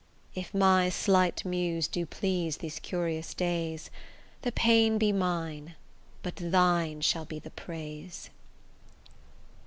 If my slight muse do please these curious days, The pain be mine, but thine shall be the praise.